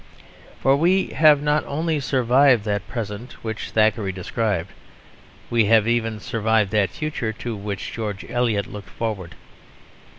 For we have not only survived that present which Thackeray described: we have even survived that future to which George Eliot looked forward.